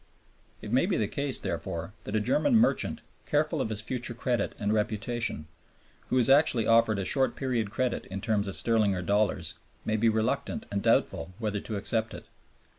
It may be the case, therefore, that a German merchant, careful of his future credit and reputation, who is actually offered a short period credit in terms of sterling or dollars, may be reluctant and doubtful whether to accept it.